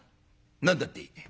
「何だって？」。